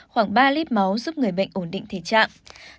khoảng ba lít máu giúp người bệnh ổn định thể trạng